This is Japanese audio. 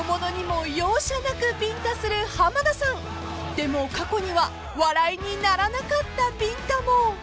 ［でも過去には笑いにならなかったビンタも］